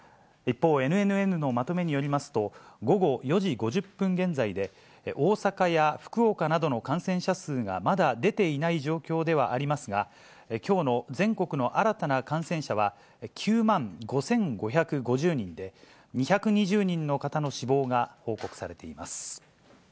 一方ＮＮＮのまとめによりますと、午後４時５０分現在で、大阪や福岡などの感染者数がまだ出ていない状況ではありますが、きょうの全国の新たな感染者は９万５５５０人で、２２０人の方の死亡が報告されています。